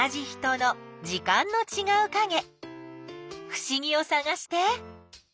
ふしぎをさがして！